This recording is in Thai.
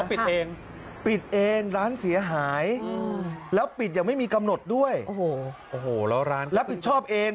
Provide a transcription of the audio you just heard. เขาปิดเองร้านเสียหายแล้วปิดอย่างไม่มีกำหนดด้วยแล้วปิดชอบเอง